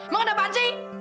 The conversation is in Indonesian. mau ngapain sih